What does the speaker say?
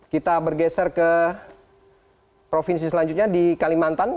kita bergeser ke provinsi selanjutnya di kalimantan